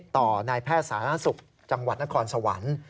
ต่อนายแพทย์สาธารณสุขจังหวัดนครสวรรค์